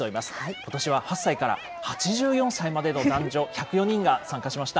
ことしは８歳から８４歳までの男女１０４人が参加しました。